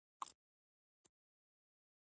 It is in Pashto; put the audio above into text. د شوروي اتحاد مشرانو بنسټونه باید له منځه وړي وای